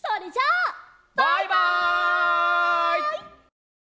バイバイ！